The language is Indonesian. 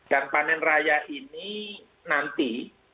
dan panen raya ini nanti